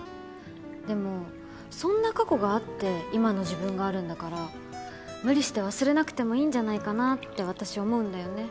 でもそんな過去があって今の自分があるんだから無理して忘れなくてもいいんじゃないかなって私思うんだよね。